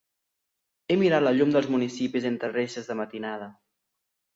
He mirat la llum dels municipis entre reixes de matinada.